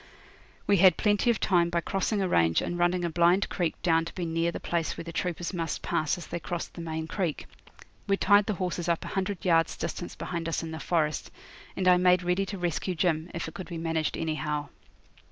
We had plenty of time by crossing a range and running a blind creek down to be near the place where the troopers must pass as they crossed the main creek. We tied up the horses a hundred yards' distance behind us in the forest, and I made ready to rescue Jim, if it could be managed anyhow.